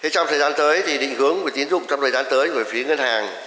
trong thời gian tới định hướng của tiến dụng trong thời gian tới của phía ngân hàng